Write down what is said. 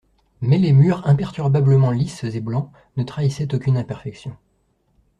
Mais les murs imperturbablement lisses et blancs ne trahissaient aucune imperfection.